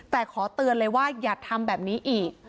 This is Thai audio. แต่ขอเตือนเลยว่าอย่าทำแบบนี้อีก